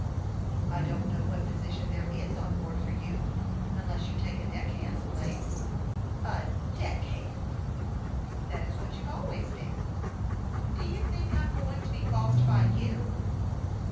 " I don't know what position there is on board for you, unless you take a deck hand's place." " A deck hand !"" That is what you have always been." " Do you think I'm going to be bossed by you